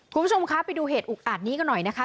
คุณผู้ชมคะไปดูเหตุอุกอาจนี้กันหน่อยนะคะ